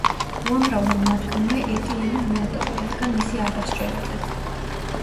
უამრავმა მათგანმა ეტიენი მიატოვა, რადგან მისი აღარ სჯეროდათ.